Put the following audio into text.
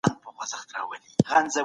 زده کوونکي له کوره درس اخلي.